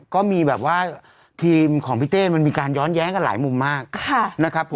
ก็มีแบบว่าทีมของพี่เต้มันมีการย้อนแย้งกันหลายมุมมากนะครับผม